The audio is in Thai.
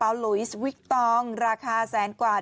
โอ้ยโอ้ยโอ้ยโอ้ยโอ้ยโอ้ย